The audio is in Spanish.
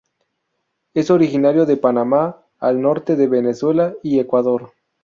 Es originario de Panamá al norte de Venezuela y Ecuador.